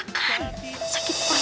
sakit peras kudis